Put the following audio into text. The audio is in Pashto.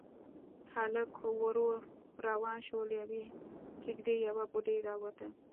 هلک ورو روان شو، له يوې کېږدۍ يوه بوډۍ راووته.